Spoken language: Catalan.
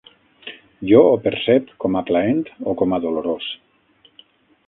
Jo ho percep com a plaent o com a dolorós.